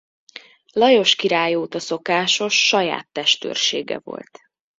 Lajos király óta szokásos saját testőrsége volt.